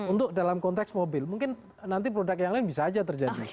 untuk dalam konteks mobil mungkin nanti produk yang lain bisa aja terjadi